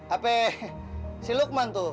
apa si lukman tuh